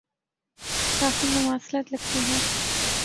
کافی مماثلت لگتی ہے۔